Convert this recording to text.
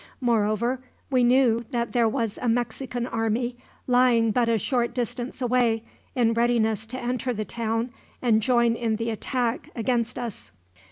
"Moreover, we knew that there was a Mexican army, lying but a short distance away, in readiness to enter the town and join in the attack against us."